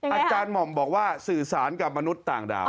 หม่อมบอกว่าสื่อสารกับมนุษย์ต่างดาว